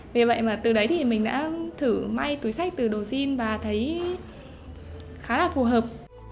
vì vậy mà từ đấy thì mình đã thử may túi sách từ đồ jean và thấy khá là phù hợp